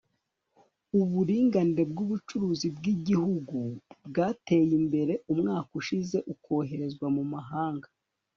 Uburinganire bwubucuruzi bwigihugu bwateye imbere umwaka ushize ukoherezwa mu mahanga